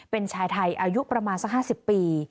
เป็นชายไทยอายุประมาณสัก๕๐ปี